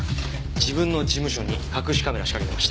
自分の事務所に隠しカメラ仕掛けてました。